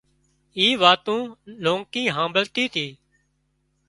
اُي واتُون لونڪي هامڀۯتي تي